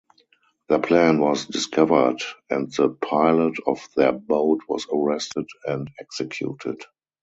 Their plan was discovered and the pilot of their boat was arrested and executed.